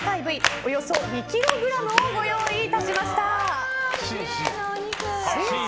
およそ２ｋｇをご用意いたしました。